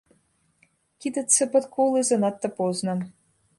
Кідацца пад колы занадта позна.